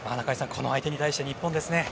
この相手に対して日本ですね。